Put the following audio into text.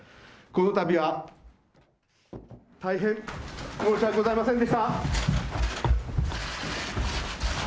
このたびは大変申し訳ございませんでした。